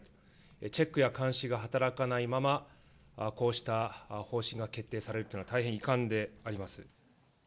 チェックや監視が働かないまま、こうした方針が決定されるというのは大変遺憾であります。